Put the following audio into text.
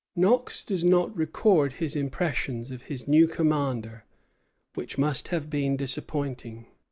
Knox does not record his impressions of his new commander, which must have been disappointing.